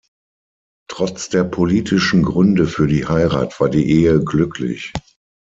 Trotz der politischen Gründe für die Heirat war die Ehe glücklich.